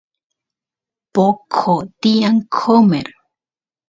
poqo tiyan qomer